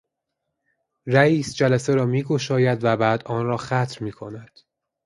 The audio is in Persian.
رئیس جلسه را میگشاید و بعدا آنرا ختم میکند.